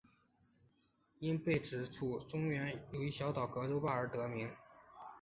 因坝址处江中原有一小岛葛洲坝而得名。